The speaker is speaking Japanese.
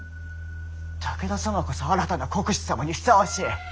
武田様こそ新たな国主様にふさわしい。